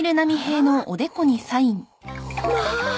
まあ。